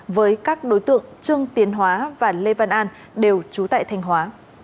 với các đối tượng trương tiến hóa và lê văn an đều trú tại thanh hóa